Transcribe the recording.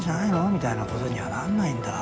みたいな事にはならないんだ。